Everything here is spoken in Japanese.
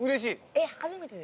えっ初めてですか？